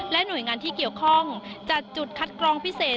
หน่วยงานที่เกี่ยวข้องจัดจุดคัดกรองพิเศษ